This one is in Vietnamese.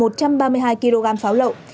năm ba mươi hai kg pháo lậu